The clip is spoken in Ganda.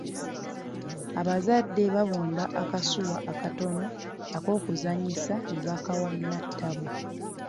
Abazadde baabumba akasuwa akatono ak'okuzanyisa ne bakawa Natabo.